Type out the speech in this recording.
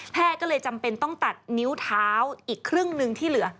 ก็เลยจำเป็นต้องตัดนิ้วเท้าอีกครึ่งหนึ่งที่เหลือ